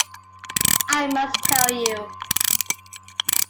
I must tell you.